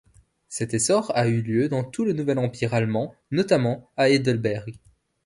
Cet essor a eu lieu dans tout le nouvel Empire allemand, notamment à Heidelberg.